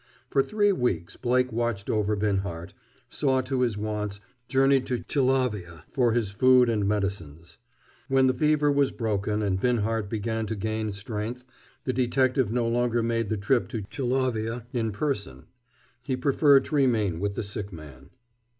For three weeks Blake watched over Binhart, saw to his wants, journeyed to Chalavia for his food and medicines. When the fever was broken and Binhart began to gain strength the detective no longer made the trip to Chalavia in person. He preferred to remain with the sick man.